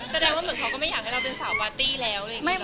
แสดงว่าเหมือนเขาก็ไม่อยากให้เราเป็นสาวปาร์ตี้แล้ว